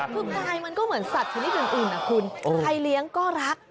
คือควายมันก็เหมือนสัตว์ชนิดอื่นนะคุณใครเลี้ยงก็รัก